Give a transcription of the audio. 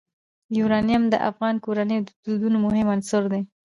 یورانیم د افغان کورنیو د دودونو مهم عنصر دی.